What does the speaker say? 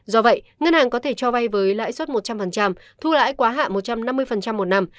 do vậy ngân hàng có thể cho vay với lãi suất một trăm linh thu lãi quá hạ một trăm năm mươi một năm